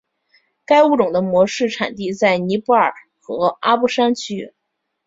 该物种的模式产地在尼泊尔和阿波山区。